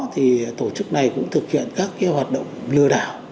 thì tổ chức này cũng thực hiện các hoạt động lừa đảo